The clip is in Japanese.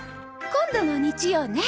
今度の日曜ね。